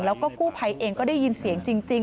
แล้วก็กู้ภัยเองก็ได้ยินเสียงจริง